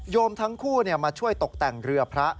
ทั้งคู่มาช่วยตกแต่งเรือพระ